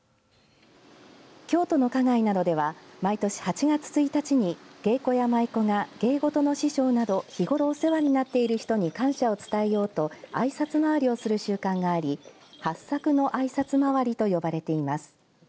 京都の花街などでは毎年８月１日に芸妓や舞妓が芸事の師匠など日頃お世話になっている人に感謝を伝えようとあいさつ回りをする習慣があり八朔のあいさつ回りと呼ばれています。